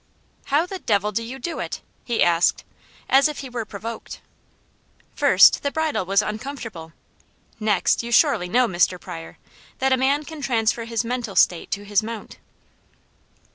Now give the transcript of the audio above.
"How the devil do you do it?" he asked, as if he were provoked. "First, the bridle was uncomfortable; next, you surely know, Mr. Pryor, that a man can transfer his mental state to his mount."